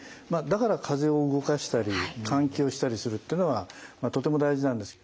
だから風を動かしたり換気をしたりするってのがとても大事なんです。